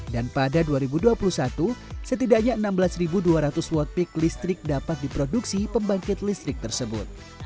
dan pada dua ribu dua puluh satu setidaknya enam belas ribu dua ratus watt peak listrik dapat diproduksi pembangkit listrik tersebut